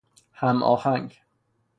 هم آهنگ